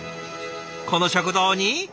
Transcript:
この食堂に。